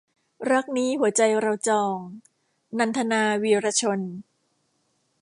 รักนี้หัวใจเราจอง - นันทนา วีระชน